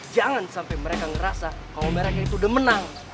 jangan sampai mereka ngerasa kalau mereka yang udah menang